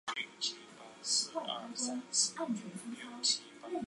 因此本站将会在该线路完工后重新启用